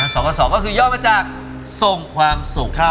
๒เหรียญก็คือย่อมมาจากส่งความสุข